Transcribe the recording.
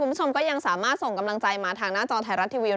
คุณผู้ชมก็ยังสามารถส่งกำลังใจมาทางหน้าจอไทยรัฐทีวี